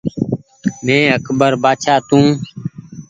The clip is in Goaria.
مينٚ اڪبر بآڇآ تونٚ